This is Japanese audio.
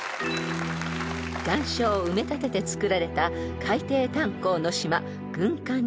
［岩礁を埋め立てて造られた海底炭鉱の島軍艦島］